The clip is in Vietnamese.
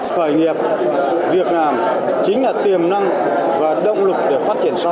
khởi nghiệp việc làm chính là tiềm năng và động lực để phát triển xoa